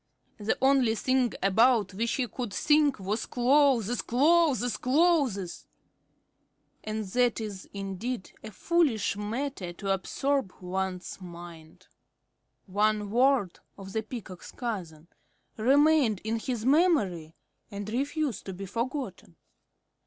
The only thing about which he could think was clothes clothes clothes; and that is indeed a foolish matter to absorb one's mind. One word of the Peacock's cousin remained in his memory and refused to be forgotten.